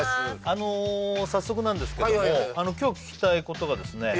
あの早速なんですけれども今日聞きたいことがですね